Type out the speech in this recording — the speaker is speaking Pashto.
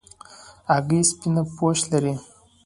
هګۍ سپینه پوښ لري.